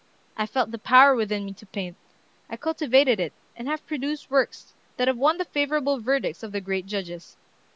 I felt the power within me to paint; I cultivated it, and have produced works that have won the favorable verdicts of the great judges.